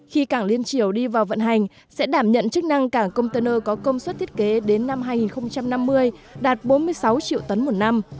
khi cảng liên triều đi vào vận hành sẽ đảm nhận chức năng cảng container có công suất thiết kế đến năm hai nghìn năm mươi đạt bốn mươi sáu triệu tấn một năm